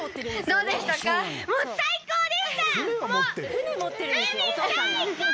・どうでしたか？